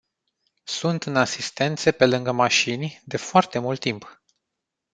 Sunt în asistențe pe lângă mașini, de foarte mult timp.